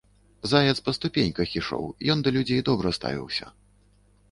Заяц па ступеньках ішоў, ён да людзей добра ставіўся.